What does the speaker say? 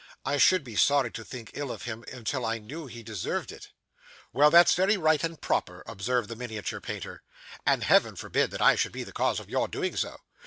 I should be sorry to think ill of him until I knew he deserved it.' 'Well; that's very right and proper,' observed the miniature painter, 'and Heaven forbid that I should be the cause of your doing so!